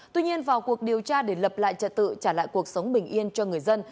tuy nhiên vào cuộc điều tra để lập lại trật tự trả lại cuộc sống bình yên cho người dân